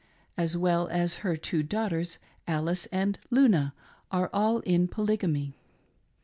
as well as her two daughters, Alice and Luna, are all in Polygamy.